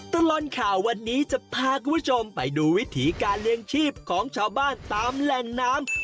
ตลอดข่าววันนี้จะพาคุณผู้ชมไปดูวิถีการเลี้ยงชีพของชาวบ้านตามแหล่งน้ำ